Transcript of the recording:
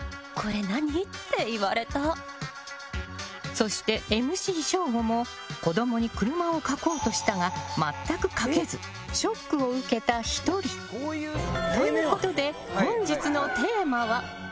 そして、ＭＣ省吾も子供に車を描こうとしたが全く描けずショックを受けた１人。ということで本日のテーマは。